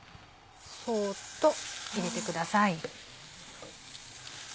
そっと入れてください。